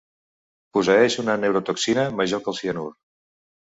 Posseeix una neurotoxina major que el cianur.